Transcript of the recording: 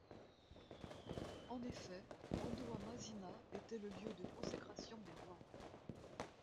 En effet, Andohamasina était le lieu de consécration des rois.